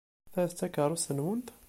Ta d takeṛṛust-nwent?